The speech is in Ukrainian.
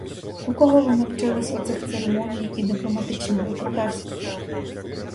У кого ви навчились оцих церемоній і дипломатичних викрутасів?